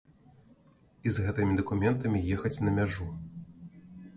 І з гэтымі дакументамі ехаць на мяжу.